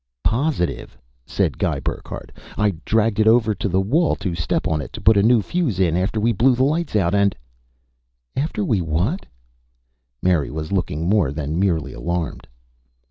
"Positive!" said Guy Burckhardt. "I dragged it over to the wall to step on it to put a new fuse in after we blew the lights out and " "After we what?" Mary was looking more than merely alarmed.